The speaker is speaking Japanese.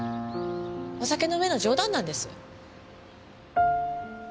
お酒の上の冗談なんです。